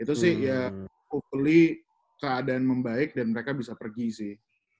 itu sih ya keadaan membaik dan mereka bisa pergi sih